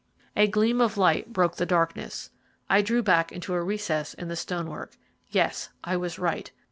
A gleam of light broke the darkness. I drew back into a recess in the stonework. Yes, I was right.